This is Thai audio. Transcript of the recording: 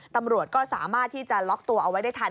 ตำรวจก็สามารถที่จะล็อกตัวเอาไว้ได้ทัน